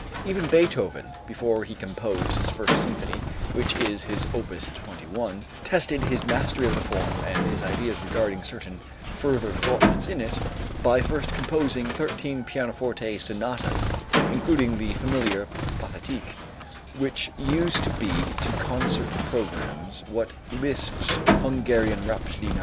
Even Beethoven, before he composed his first symphony, which is his Opus 21, tested his mastery of the form and his ideas regarding certain further developments in it, by first composing thirteen pianoforte sonatas, including the familiar "Pathétique," which used to be to concert programs what Liszt's "Hungarian Rhapsody No.